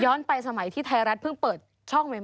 ย้อนไปสมัยที่ไทยรัฐเพิ่งเปิดช่องใหม่